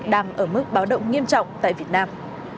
đang ở mức báo động nghiêm trọng tại việt nam